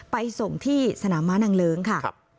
ไปส่งที่สนามม้านางเลิ้งค่ะ